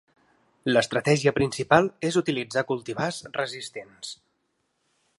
L'estratègia principal és utilitzar cultivars resistents.